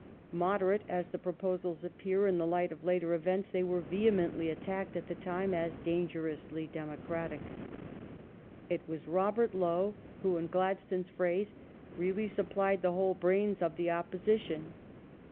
Moderate as the proposals appear in the light of later events, they were vehemently attacked at the time as dangerously democratic. It was Robert Lowe who, in Gladstone's phrase, " really supplied the whole brains of the opposition